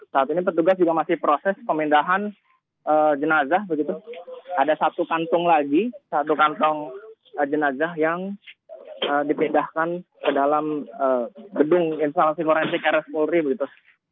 saat ini petugas juga masih proses pemindahan jenazah begitu ada satu kantung lagi satu kantong jenazah yang dipindahkan ke dalam gedung instalasi forensik rs polri begitu